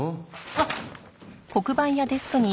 あっ。